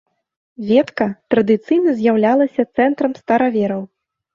Ветка традыцыйна з'яўлялася цэнтрам старавераў.